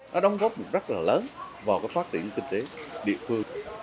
đã đóng góp rất là lớn vào phát triển kinh tế địa phương